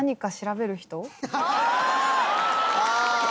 ああ。